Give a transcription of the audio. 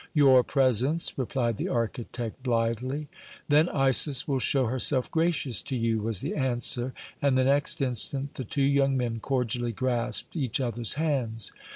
"Your presence," replied the architect blithely. "Then Isis will show herself gracious to you," was the answer, and the next instant the two young men cordially grasped each other's hands.